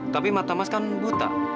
tapi mata mas kan buta